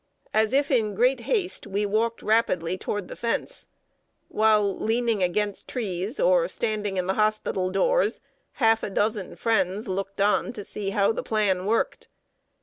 As if in great haste, we walked rapidly toward the fence, while, leaning against trees or standing in the hospital doors, half a dozen friends looked on to see how the plan worked.